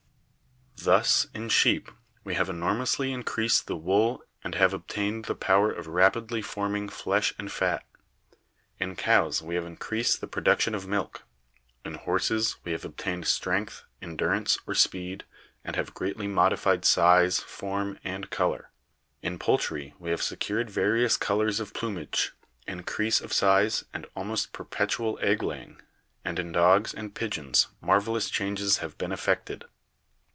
Thus* in sheep we have enormously increased the wool, and have obtained the power of rapidly forming flesh and fat; in cows we have increased the production of milk; in horses we have obtained strength, endurance, or speed, and have greatly modified size, form, and color; in poul try we have secured various colors of plumage, increase of size, and almost perpetual egg laying; and in dogs and pigeons marvelous changes have been effected."